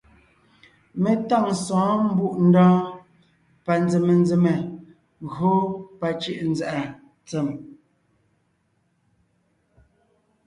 Mé táŋ sɔ̌ɔn Mbùʼndɔɔn panzèmenzème gÿó pacʉ̀ʼʉnzàʼa tsem.